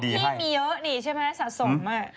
เยอะนี่ใช่ไหมสะสมมาก